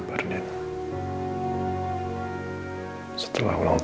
aku masih bercinta sama kamu